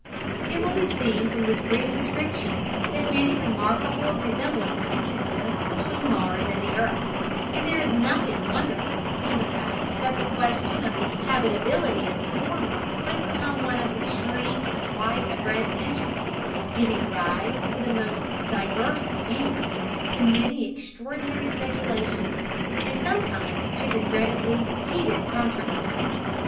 It will be seen from this brief description that many remarkable resemblances exist between Mars and the earth, and there is nothing wonderful in the fact that the question of the habitability of the former has become one of extreme and wide spread interest, giving rise to the most diverse views, to many extraordinary speculations, and sometimes to regrettably heated controversy.